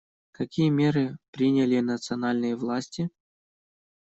Какие меры приняли национальные власти?